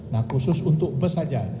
nah khusus untuk bus saja